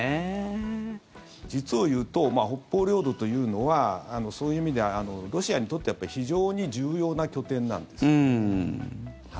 実をいうと北方領土というのはそういう意味ではロシアにとっては非常に重要な拠点なんです。